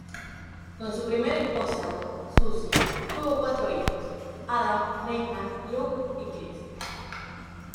Con su primera esposa, Susie, tuvo cuatro hijos: Adam, Nathan, Luke y Chris.